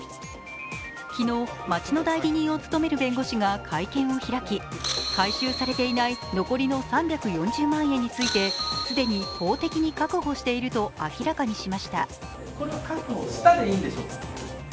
昨日、町の代理人を務める弁護士が会見を開き、回収されていない残りの３４０万円について既に法的に確保していると明らかにしました。